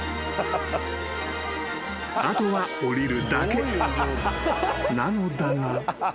［後は下りるだけなのだが］